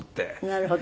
なるほど。